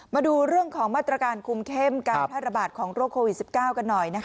มาดูเรื่องของมาตรการคุมเข้มการแพร่ระบาดของโรคโควิด๑๙กันหน่อยนะคะ